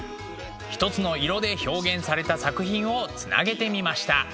ひとつの色で表現された作品をつなげてみました。